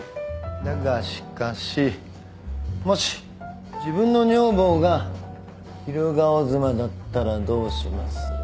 だがしかしもし自分の女房が昼顔妻だったらどうします？ハハハ。